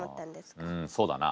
うんそうだな。